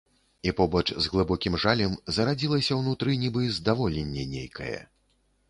І побач з глыбокім жалем зарадзілася ўнутры нібы здаволенне нейкае.